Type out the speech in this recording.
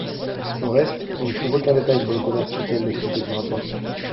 Au reste, on ne trouve aucun détail sur le commerce auquel le traité se rapporte.